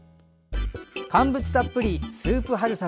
乾物たっぷりスープ春雨